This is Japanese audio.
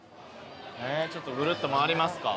ちょっとぐるっと回りますか？